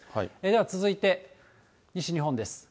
では続いて西日本です。